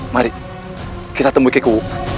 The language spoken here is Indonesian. mari kita temui keku